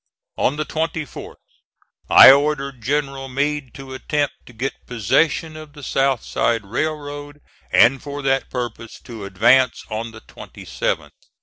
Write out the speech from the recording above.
On the 24th I ordered General Meade to attempt to get possession of the South Side Railroad, and for that purpose to advance on the 27th.